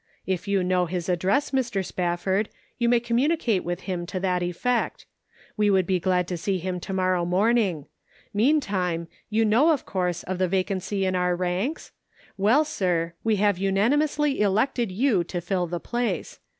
"If you know his address, Mr. Spufford, you may communicate with him to that effect. We would be glad to see him to morrow morn ing. Meantime, you know, of course, of the vacancy in our ranks? Well, sir, we have unanimously elected you to fill the place.